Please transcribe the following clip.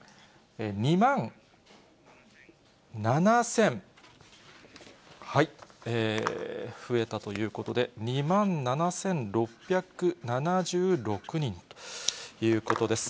２万７０００、はい、増えたということで、２万７６７６人ということです。